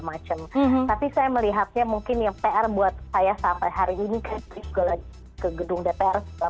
macem tapi saya melihatnya mungkin yang pr buat saya sampai hari ini juga lagi ke gedung dpr setelah